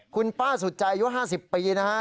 คุณป้าสุดใจอายุ๕๐ปีนะฮะ